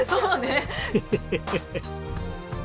ヘヘヘヘ。